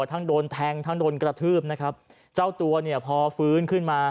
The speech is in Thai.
ทั้งโดนแทงทั้งโดนกระทืบนะครับเจ้าตัวเนี่ยพอฟื้นขึ้นมา